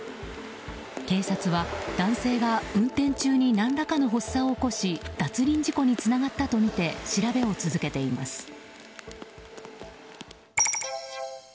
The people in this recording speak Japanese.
警察は、男性が運転中に何らかの発作を起こし脱輪事故につながったとみて調べを続けています。